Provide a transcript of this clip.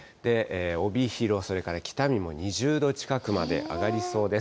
帯広、それから北見も２０度近くまで上がりそうです。